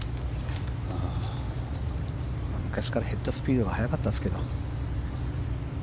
昔からヘッドスピードが速かったですけど。